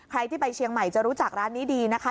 ใครที่ไปเชียงใหม่จะรู้จักร้านนี้ดีนะคะ